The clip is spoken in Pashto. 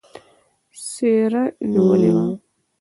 څېره نېولې وه.